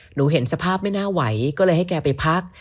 เห็นสภาพไม่น่าไหวก็เลยให้แกไปพัก